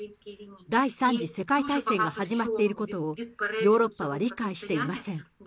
第３次世界大戦が始まっていることを、ヨーロッパは理解していません。